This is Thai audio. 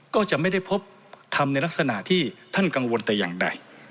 ก็จะไม่ได้พบทำในลักษณะที่ท่านกังวลแต่อย่างใด